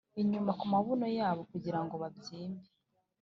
Inyuma kumabuno yabo kugirango babyimbe